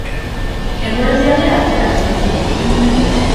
Eguerdi aldera atera dituzte.